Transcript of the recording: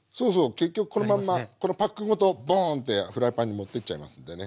結局このまんまこのパックごとボーンってフライパンに持ってっちゃいますんでね。